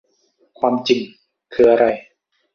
ความจริงคืออะไร